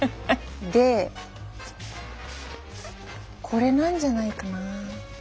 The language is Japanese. でこれなんじゃないかな？